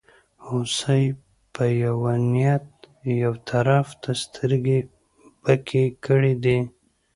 هوسۍ په یوه نېب یوه طرف ته سترګې بکې کړې دي.